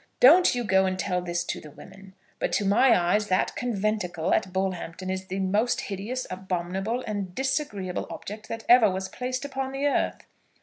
Don't you go and tell this to the women; but to my eyes that conventicle at Bullhampton is the most hideous, abominable, and disagreeable object that ever was placed upon the earth!"